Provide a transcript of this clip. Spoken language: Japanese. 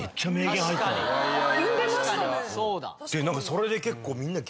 それで結構。